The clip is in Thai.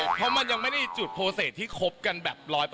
เพราะมันยังไม่ได้จุดโปรเศษที่คบกันแบบ๑๐๐